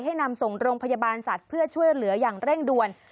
นำส่งโรงพยาบาลสัตว์เพื่อช่วยเหลืออย่างเร่งด่วน